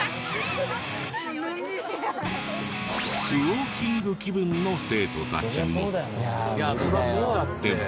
ウォーキング気分の生徒たちも。